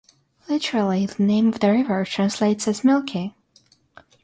Literally the name of the river translates as Milky.